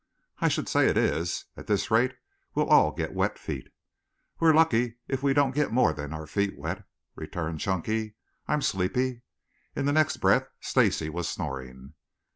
"I should say it is. At this rate we'll all get wet feet." "We're lucky if we don't get more than our feet wet," returned Chunky. "I'm sleepy." In the next breath Stacy was snoring.